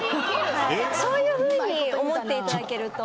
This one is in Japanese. そういうふうに思っていただけると。